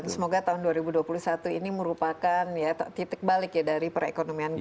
semoga tahun dua ribu dua puluh satu ini merupakan titik balik ya dari perekonomian kita